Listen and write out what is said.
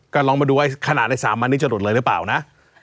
ก็ลองมาดูว่าขนาดใน๓วันนี้จะหลุดเลยหรือเปล่านะ